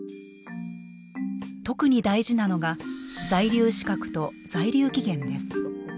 特に大事なのが在留資格と在留期限です。